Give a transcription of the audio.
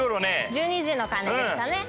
１２時の鐘ですかね。